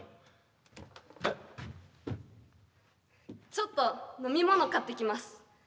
ちょっと飲み物買ってきます。